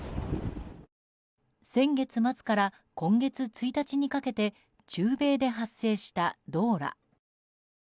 先月末から今月１日にかけて中米で発生したドーラ。